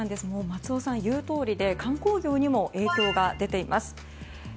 松尾さんの言うとおりで観光業にも影響が出ています。